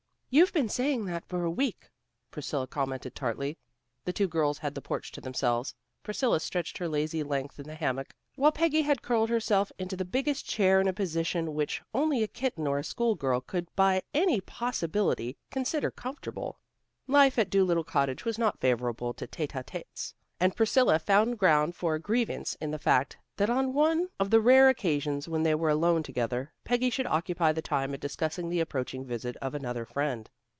"You've been saying that for a week," Priscilla commented tartly. The two girls had the porch to themselves, Priscilla stretched her lazy length in the hammock, while Peggy had curled herself into the biggest chair in a position which only a kitten or a school girl could by any possibility consider comfortable. Life at Dolittle Cottage was not favorable to tête à têtes, and Priscilla found ground for a grievance in the fact that on one of the rare occasions when they were alone together, Peggy should occupy the time in discussing the approaching visit of another friend.